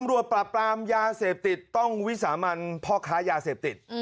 ตำรวจปราบปรามยาเสพติดต้องวิสามันพ่อค้ายาเสพติด